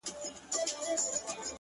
نور به خبري نه کومه. نور به چوپ اوسېږم.